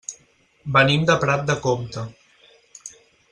Venim de Prat de Comte.